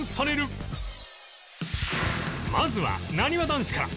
まずはなにわ男子から